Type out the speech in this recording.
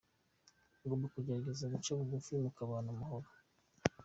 Ugomba kugerageza guca bugufi mukabana mu mahoro.